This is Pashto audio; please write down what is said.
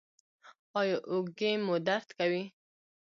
ایا اوږې مو درد کوي؟